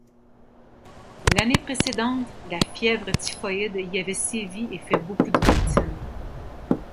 L'année précédente, la fièvre typhoïde y avait sévi et fait beaucoup de victimes.